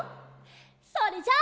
それじゃあ。